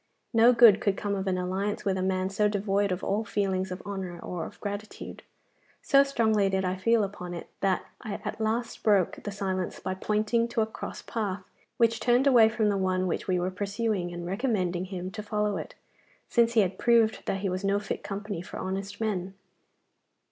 No good could come of an alliance with a man so devoid of all feelings of honour or of gratitude. So strongly did I feel upon it that I at last broke the silence by pointing to a cross path, which turned away from the one which we were pursuing, and recommending him to follow it, since he had proved that he was no fit company for honest men.